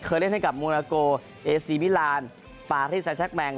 เคยเล่นให้กับโมโนโกเอซีมิลานปาฤทธิ์แซนทรักแมง